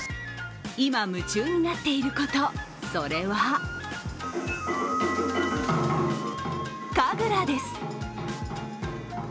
今、夢中になっていること、それは神楽です。